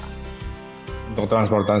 terutama dari segi efisiensi transfer antar moda